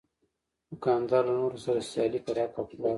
دوکاندار له نورو سره سیالي پر حقه لار کوي.